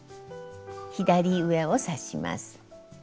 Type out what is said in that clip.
左上を刺します。